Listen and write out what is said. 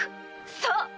そう。